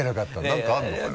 何かあるのかな？